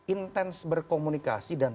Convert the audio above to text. intens berkomunikasi dan